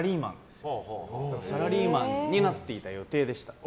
サラリーマンになっていた予定でした。